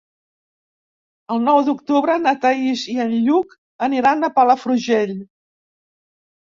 El nou d'octubre na Thaís i en Lluc aniran a Palafrugell.